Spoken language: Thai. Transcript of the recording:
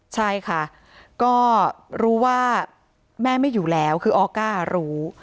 ใช่ค่ะก็รู้ว่าแม่ไม่อยู่แล้วคือออก้ารู้